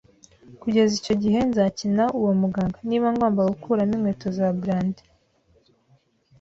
kugeza icyo gihe nzakina uwo muganga, niba ngomba gukuramo inkweto za brandi. ”